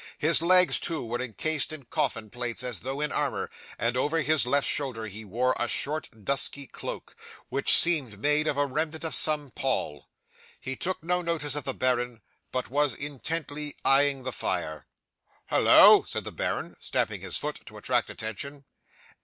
His legs, too, were encased in coffin plates as though in armour; and over his left shoulder he wore a short dusky cloak, which seemed made of a remnant of some pall. He took no notice of the baron, but was intently eyeing the fire. '"Halloa!" said the baron, stamping his foot to attract attention.